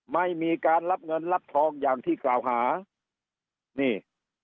ไม่มีการรับเงินรับทองอย่างที่กล่าวหานี่